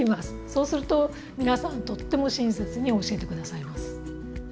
そうすると皆さんとっても親切に教えて下さいます。